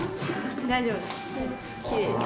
大丈夫です。